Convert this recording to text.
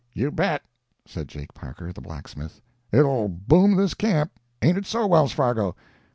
"You bet!" said Jake Parker, the blacksmith. "It 'll boom this camp. Ain't it so, Wells Fargo?"